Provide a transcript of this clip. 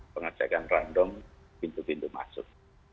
pengecekan random pintu pintu masuk